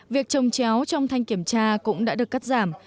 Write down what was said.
việc trồng chéo trong thanh kiểm tra cũng đã được cắt giảm